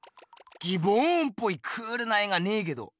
ギボーンっぽいクールな絵がねえけど。